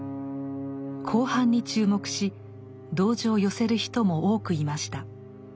後半に注目し同情を寄せる人も多くいました。